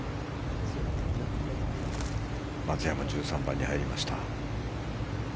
松山１３番に入りました。